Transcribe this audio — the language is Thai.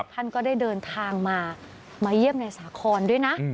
ท่านก็ได้เดินทางมามาเยี่ยมในสาครด้วยนะ